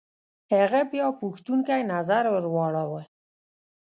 هغه بيا پوښتونکی نظر ور واړوه.